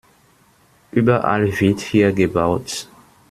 Überall wird hier gebaut.